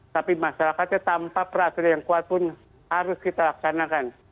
tapi masyarakatnya tanpa peraturan yang kuat pun harus kita laksanakan